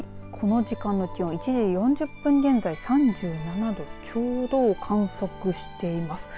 はい、この時間の気温１時４０分現在３７度ちょうどを観測しています。